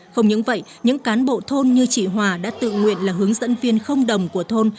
không những vậy những cán bộ thôn như chị hòa đã tự nguyện là hướng dẫn viên không đồng của thôn